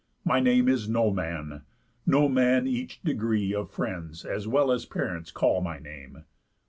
My name is No Man; No Man each degree Of friends, as well as parents, call my name.